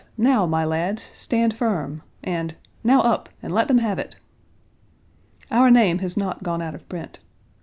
Page 129 "Now, my lads, stand firm!" and, "Now up, and let them have it!" Our name has not gone out of print.